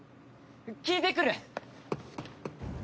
聞いてくる！